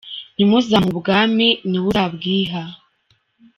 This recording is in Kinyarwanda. ntimuzamuhe ubwami ni we uzabwiha”.